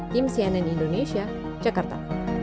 tim cnn indonesia jakarta